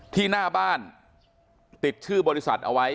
หน้าบ้านติดชื่อบริษัทเอาไว้